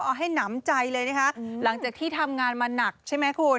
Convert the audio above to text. เอาให้หนำใจเลยนะคะหลังจากที่ทำงานมาหนักใช่ไหมคุณ